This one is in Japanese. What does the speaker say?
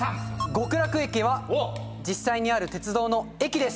極楽駅は実際にある鉄道の駅です。